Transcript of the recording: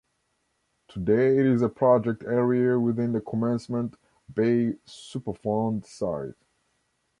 Today it is a project area within the Commencement Bay Superfund site.